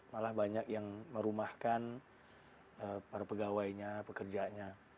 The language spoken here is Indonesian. malah banyak yang merumahkan para pegawainya pekerjanya